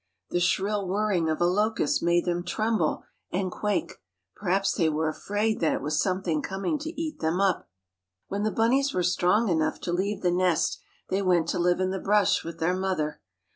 The shrill whirring of a locust made them tremble and quake. Perhaps they were afraid that it was something coming to eat them up. When the bunnies were strong enough to leave the nest they went to live in the brush with their mother.